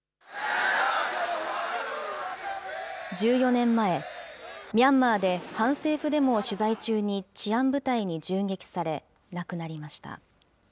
１４年前、ミャンマーで反政府デモを取材中に治安部隊に銃撃され亡くなりました。